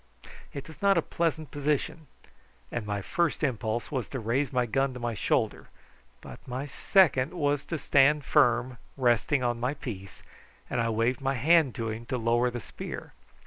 It was not a pleasant position, and my first impulse was to raise my gun to my shoulder; but my second was to stand firm, resting on my piece, and I waved my hand to him to lower the spear.